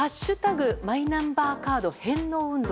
マイナンバーカード返納運動」。